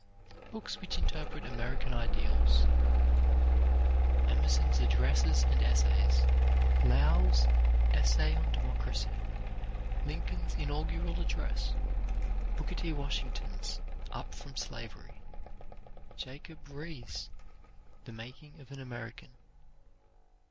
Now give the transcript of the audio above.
Books Which Interpret American Ideals Emerson's Addresses and Essays. Lowell's Essay on Democracy. Lincoln's Inaugural Addresses. Booker T. Washington's "Up from Slavery." Jacob Riis' "The Making of An American."